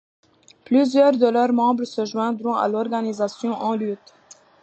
Plusieurs de leurs membres se joindront à l’organisation En lutte!